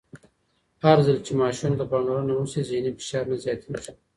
هرځل چې ماشوم ته پاملرنه وشي، ذهني فشار نه زیاتېږي.